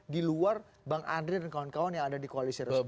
di luar bang andre dan kawan kawan yang ada di koalisi resmi